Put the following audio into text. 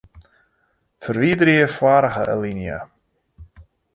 Ferwiderje foarige alinea.